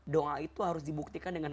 doa itu harus dibuktikan dengan